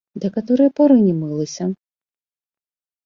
Да каторай пары не мылася!